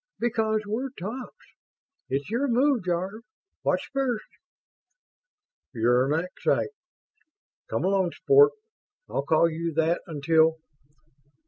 "Because we're tops. It's your move, Jarve. What's first?" "Uranexite. Come along, Sport. I'll call you that until